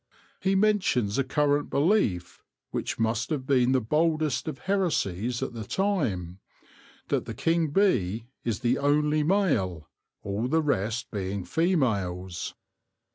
He mentions a current belief — which must have been the boldest of heresies at the time that the king bee is the only male, all the rest being females.